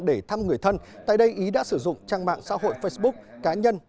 để thăm người thân tại đây ý đã sử dụng trang mạng xã hội facebook cá nhân